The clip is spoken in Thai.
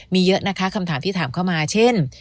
มีเยอะนะคะคำถามที่ถามเข้ามาเช่น